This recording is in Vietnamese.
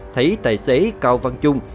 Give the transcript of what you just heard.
thấy tài xế cao văn trung